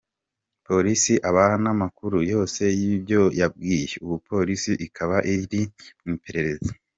Polisi abaha namakuru yose yibyo yabwiwe, ubu Polisi ikaba ikiri mu ipirereza.